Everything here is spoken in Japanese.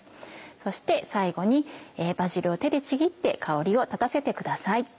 そして最後にバジルを手でちぎって香りを立たせてください。